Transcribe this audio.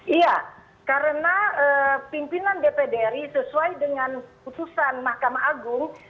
iya karena pimpinan dpd ri sesuai dengan putusan mahkamah agung